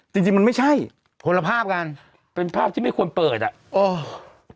จริงจริงมันไม่ใช่ผลภาพกันเป็นภาพที่ไม่ควรเปิดอ่ะอ๋อ